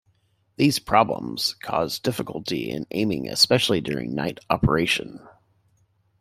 These problems caused difficulty in aiming especially during night operation.